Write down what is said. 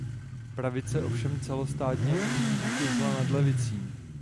Pravice ovšem celostátně i nyní zvítězila nad levicí.